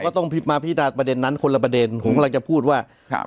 ก็ต้องมาพิจารณ์ประเด็นนั้นคนละประเด็นผมกำลังจะพูดว่าครับ